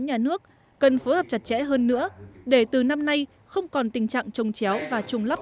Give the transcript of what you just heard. nhà nước cần phối hợp chặt chẽ hơn nữa để từ năm nay không còn tình trạng trồng chéo và trùng lắp